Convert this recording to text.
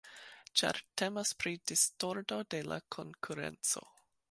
Ĉar temas pri distordo de la konkurenco.